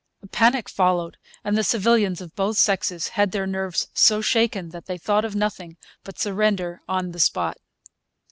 A panic followed; and the civilians of both sexes had their nerves so shaken that they thought of nothing but surrender on the spot.